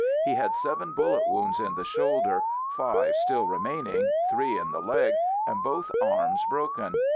He had seven bullet wounds in the shoulder, five still remaining, three in the leg, and both arms broken!